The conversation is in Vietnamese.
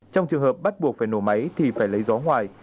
trong trường hợp bắt buộc phải nổ máy thì phải lấy gió ngoài